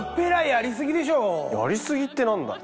やり過ぎって何だよ。